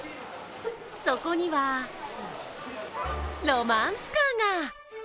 そこにはロマンスカーが。